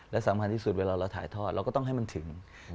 และสำคัญที่สุดเวลาเราถ่ายทอดเราก็ต้องให้มันถึง